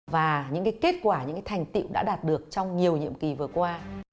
và những kết quả những thành tiệu đã đạt được trong nhiều nhiệm kỳ vừa qua